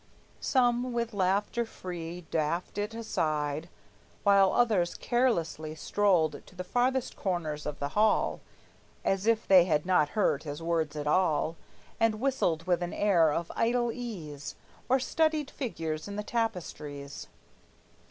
Some with laughter free Daffed it aside; while others carelessly Strolled to the farthest corners of the hall As if they had not heard his words at all, And whistled with an air of idle ease, Or studied figures in the tapestries.